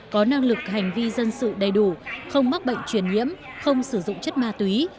có năng lực hành vi dân sự đầy đủ không mắc bệnh truyền nhiễm không sử dụng chất ma túy